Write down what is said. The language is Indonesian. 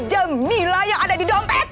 jemila yang ada di dompet